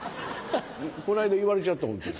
この間言われちゃったホントに。